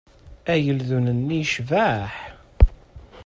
Ageldun-nni yecbeḥ.